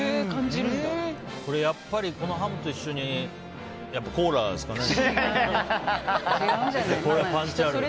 これ、やっぱりこのハムと一緒にコーラですかね。